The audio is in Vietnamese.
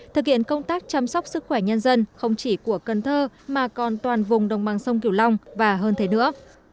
thực hiện công tác chăm sóc sức khỏe nhân dân không chỉ của cần thơ mà còn toàn vùng đồng bằng sông kiều long và hơn thế nữa